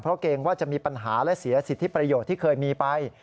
เพราะเกรงว่าจะมีปัญหาและเสียสิทธิประโยชน์ที่เคยมีไป